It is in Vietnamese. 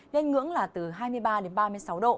lên ngưỡng là từ hai mươi ba đến ba mươi sáu độ